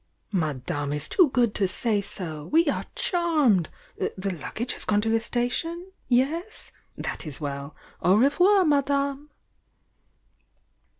"Madame is too good to say so ! We are charmed ! The luggage has gone to the station? Yes? That is well! Au revoir, Madame!"